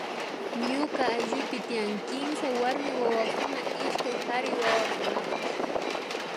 Ñuka ayllupi tian kimsa warmi wawakuna ishkay kari wawakunapash